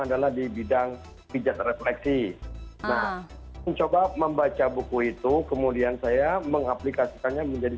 adalah di bidang pijat refleksi nah mencoba membaca buku itu kemudian saya mengaplikasikannya menjadi